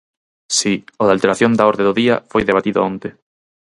Si, o da alteración da orde do día foi debatido onte.